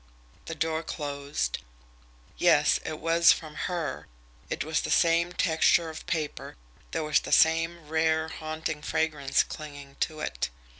The door closed. Yes, it was from HER it was the same texture of paper, there was the same rare, haunting fragrance clinging to it.